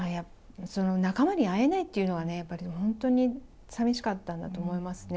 その仲間に会えないっていうのがね、やっぱり本当にさみしかったんだと思いますね。